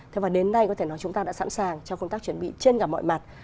thế và đến nay có thể nói chúng ta đã sẵn sàng cho công tác chuẩn bị trên cả mọi mặt